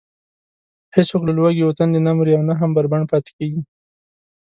هېڅوک له لوږې و تندې نه مري او نه هم بربنډ پاتې کېږي.